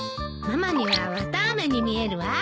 ママには綿あめに見えるわ。